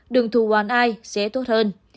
đừng thù oán ai sẽ tốt hơn